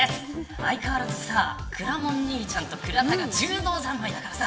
相変わらずくらもん兄ちゃんと倉田が柔道ざんまいだからさ。